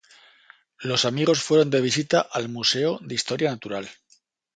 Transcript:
Los amigos fueron de visita al Museo de historia natural.